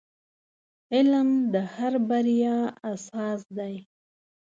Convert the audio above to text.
• علم د هر بریا اساس دی.